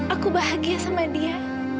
aku bahagia sama dia